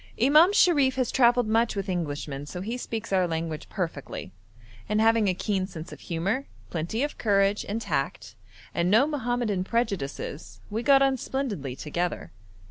Imam Sharif has travelled much with Englishmen, so he speaks our language perfectly, and having a keen sense of humour, plenty of courage and tact, and no Mohammedan prejudices, we got on splendidly together.